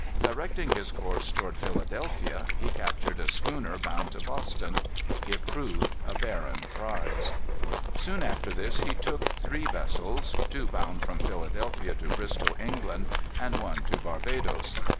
Directing his course toward Philadelphia, he captured a schooner bound to Boston. It proved a barren prize. Soon after this he took three vessels, two bound from Philadelphia to Bristol, England, and one to Barbadoes.